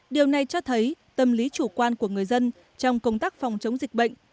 điều này cho thấy tâm lý chủ quan của người dân trong công tác phòng chống dịch bệnh